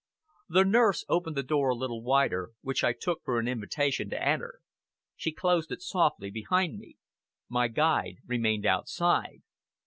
The nurse opened the door a little wider, which I took for an invitation to enter. She closed it softly behind me. My guide remained outside.